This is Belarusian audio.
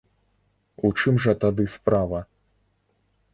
У чым жа тады справа?